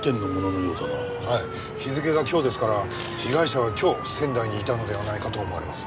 はい日付が今日ですから被害者は今日仙台にいたのではないかと思われます。